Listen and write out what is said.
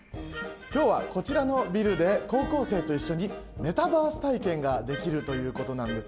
今日はこちらのビルで高校生と一緒にメタバース体験ができるということなんですけども。